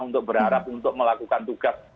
untuk berharap untuk melakukan tugas